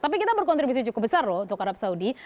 tapi kita berkontribusi cukup besar loh untuk arab saudi